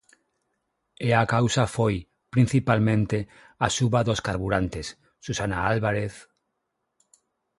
E a causa foi, principalmente, a suba dos carburantes, Susana Álvarez...